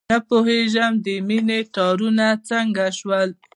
نه پوهېږم، د مینې تارونه څنګه شلول.